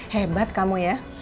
hebat kamu ya